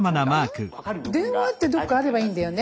「電話」ってどこかあればいいんだよね。